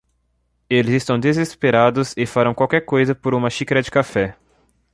Eles estão desesperados e farão qualquer coisa por uma xícara de café.